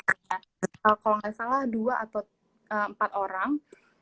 kalau nggak salah dua atau empat orang